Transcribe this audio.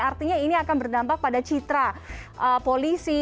artinya ini akan berdampak pada citra polisi